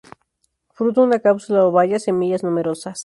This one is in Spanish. Fruto una cápsula o baya; semillas numerosas.